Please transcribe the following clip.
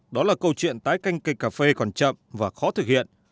đó là câu chuyện tái canh cây cà phê còn chậm và khó thực hiện